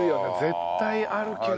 絶対あるけど。